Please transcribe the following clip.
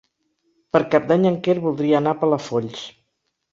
Per Cap d'Any en Quer voldria anar a Palafolls.